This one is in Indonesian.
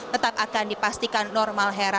tetap akan dipastikan normal hera